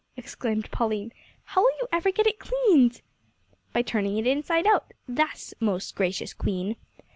exclaimed Pauline; "how will you ever get it cleaned?" "By turning it inside out thus, most gracious Queen."